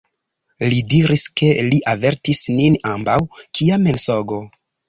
Li diris, ke li avertis nin ambaŭ: kia mensogo!